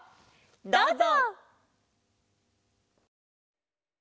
どうぞ！